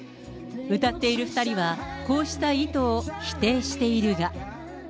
歌っている２人は、こうした意図を否定しているが。